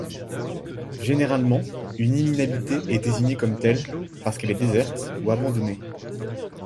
Généralement, une île inhabitée est désignée comme telle parce qu'elle est déserte ou abandonnée.